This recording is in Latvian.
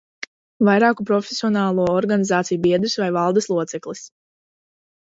Vairāku profesionālo organizāciju biedrs vai valdes loceklis.